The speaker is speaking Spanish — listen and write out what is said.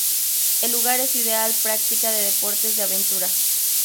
El lugar es ideal práctica de deportes de aventura.